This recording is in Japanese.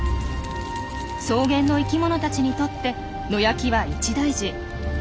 草原の生きものたちにとって野焼きは一大事。